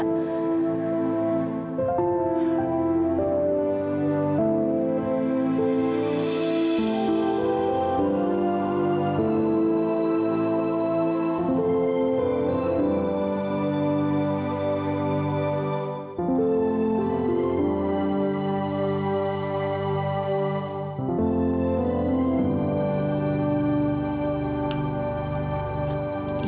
aku akan menunggu